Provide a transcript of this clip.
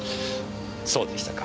そうでしたか。